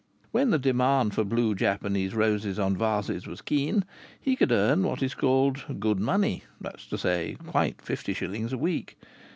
When the demand for blue Japanese roses on vases was keen, he could earn what is called "good money" that is to say, quite fifty shillings a week.